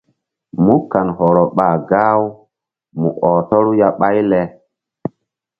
Mú kan hɔrɔ ɓa gah-u mu ɔh tɔru ya ɓáy le.